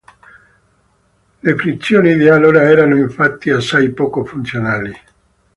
Le frizioni di allora erano infatti assai poco funzionali.